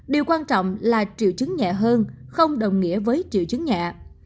điều quan trọng là triệu chứng nhẹ hơn không đồng nghĩa với triệu chứng nhẹ